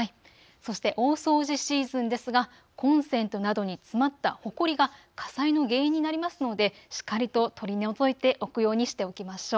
そして大掃除シーズンですがコンセントなどに詰まったほこりが火災の原因になりますのでしっかりと取り除いておくようにしておきましょう。